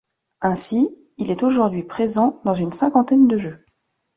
Ainsi, il est aujourd'hui présent dans une cinquantaine de jeux.